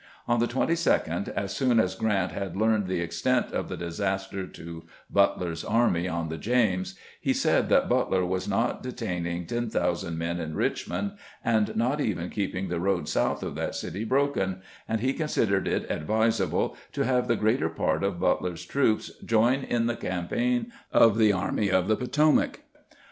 On the 22d, as soon as Grant had learned the extent of the disaster to But ler's army on the James, he said that Butler was not detaining 10,000 men in Richmond, and not even keep ing the roads south of that city broken, and he consid THE ENEMY REINFORCED 147 ered it advisable to have the greater part of Butler's troops join in the campaign of the Army of the Poto mac.